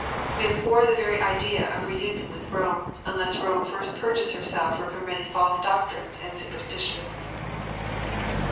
We abhor the very idea of reunion with Rome, unless Rome first purges herself from her many false doctrines and superstitions.